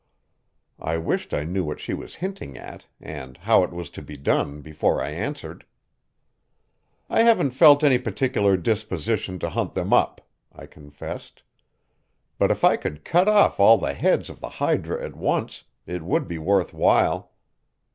I wished I knew what she was hinting at, and how it was to be done, before I answered. "I haven't felt any particular disposition to hunt them up," I confessed, "but if I could cut off all the heads of the hydra at once, it would be worth while.